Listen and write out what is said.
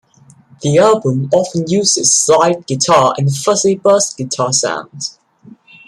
The album often uses slide guitar and "fuzzy" bass guitar sounds.